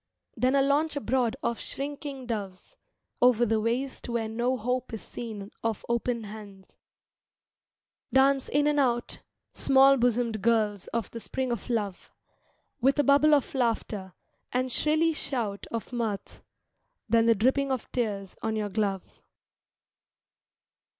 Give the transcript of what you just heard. Then a launch abroad of shrinking doves Over the waste where no hope is seen Of open hands: Dance in and out Small bosomed girls of the spring of love, With a bubble of laughter, and shrilly shout Of mirth; then the dripping of tears on your glove.